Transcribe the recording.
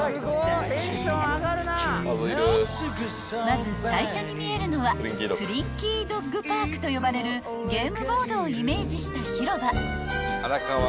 ［まず最初に見えるのはスリンキー・ドッグパークと呼ばれるゲームボードをイメージした広場］